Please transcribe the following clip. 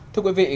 thưa quý vị